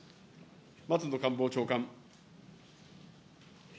松野官房長官。